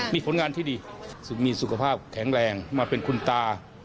มีผลงานที่ดีมีสุขภาพแข็งแรงมาเป็นคุณตา